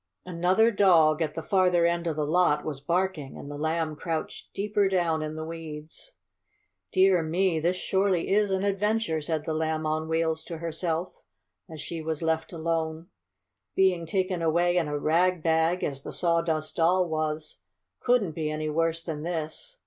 Another dog, at the farther end of the lot, was barking, and the Lamb crouched deeper down in the weeds. "Dear me! this surely is an adventure," said the Lamb on Wheels to herself, as she was left alone. "Being taken away in a rag bag, as the Sawdust Doll was, couldn't be any worse than this.